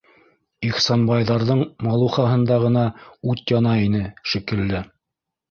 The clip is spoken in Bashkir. Ихсанбайҙарҙың малухаһында ғына ут яна ине, шикелле.